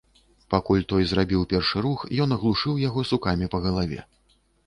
Пакуль той зрабіў першы рух, ён аглушыў яго сукамі па галаве.